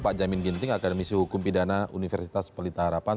pak jamin ginting akademisi hukum pidana universitas pelita harapan